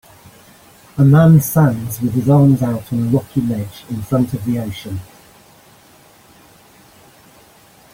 A man sands with his arms out on a rocky ledge in front of the ocean.